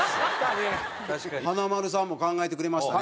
華丸さんも考えてくれましたね。